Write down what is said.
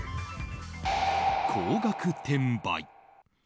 高額転売。